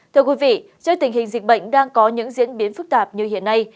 thưa quý vị trước tình hình dịch bệnh đang có những diễn biến phức tạp như hiện nay